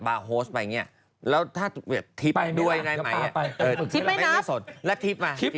ไปอย่างเงี้ยแล้วถ้าไปด้วยยังไงไหมเออทริปไม่นับแล้วทริปมาทริป